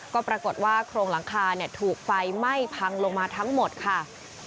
ก็ปรากฏว่าโครงหลังคาถูกไฟไหม้พังลงมาทั้งหมดค่ะ